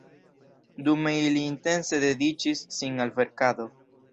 Dume ili intense dediĉis sin al verkado.